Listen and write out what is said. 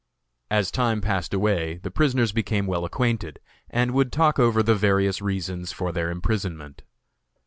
As time passed away the prisoners became well acquainted, and would talk over the various reasons for their imprisonment.